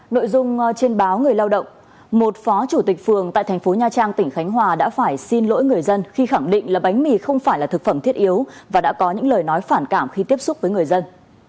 nội dung trên báo người lao động một phó chủ tịch phường tại thành phố nha trang tỉnh khánh hòa đã phải xin lỗi người dân khi khẳng định là bánh mì không phải là thực phẩm thiết yếu và đã có những lời nói phản cảm khi tiếp xúc với người dân